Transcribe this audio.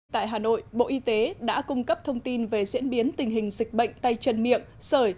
tại hà nội bộ y tế đã cung cấp thông tin về diễn biến tình hình dịch bệnh tay chân miệng sởi